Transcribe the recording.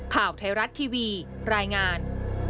ข่าวไทยรัฐทีวีรายงาน